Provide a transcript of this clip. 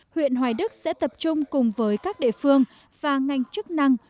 huyện hoài đức sẽ tập trung cùng với các địa phương và ngành chức năng